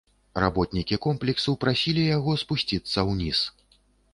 Работнікі комплексу прасілі яго спусціцца ўніз.